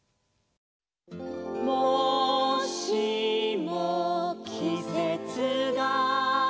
「もしもきせつが」